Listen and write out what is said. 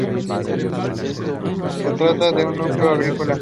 Se trata de un núcleo agrícola.